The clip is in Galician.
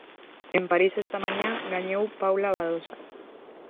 En París esta mañá gañou Paula Badosa.